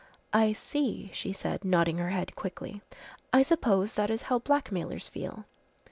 "I see," she said, nodding her head quickly. "I suppose that is how blackmailers feel."